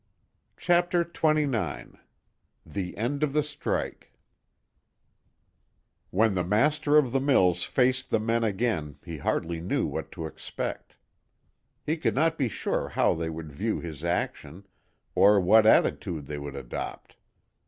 CHAPTER XXIX THE END OF THE STRIKE When the master of the mills faced the men again he hardly knew what to expect. He could not be sure how they would view his action, or what attitude they would adopt.